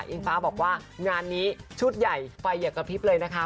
ฟ้าบอกว่างานนี้ชุดใหญ่ไฟอย่ากระพริบเลยนะคะ